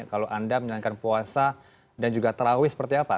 kalau anda menjalankan puasa dan juga terawih seperti apa